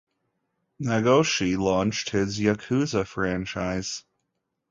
Nagoshi launched his "Yakuza" franchise.